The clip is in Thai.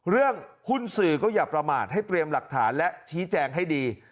เรื่องหุ้นสื่อก็อย่าประมาทให้เตรียมหลักฐานและชี้แจงให้ดี